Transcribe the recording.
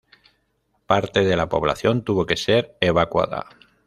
Parte de la población tuvo que ser evacuada.